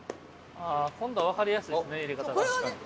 「今度はわかりやすいですね入れ方」